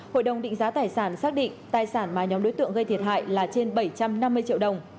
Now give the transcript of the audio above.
hội đồng định giá tài sản xác định tài sản mà nhóm đối tượng gây thiệt hại là trên bảy trăm năm mươi triệu đồng